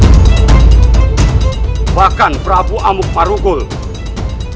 terbukti terlibat dalam pemberontakan ini